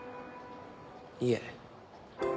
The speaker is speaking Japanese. いえ。